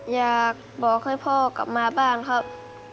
อยากบอกให้พ่อกลับมาบ้านครับ